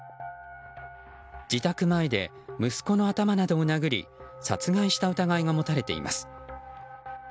自宅前で息子の頭などを殴り殺害した疑いが持たれています。